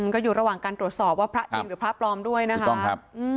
ก็อยู่ระหว่างการตรวจสอบว่าพระจริงหรือพระปลอมด้วยนะครับ